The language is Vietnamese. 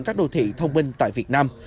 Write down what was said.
các đô thị thông minh tại việt nam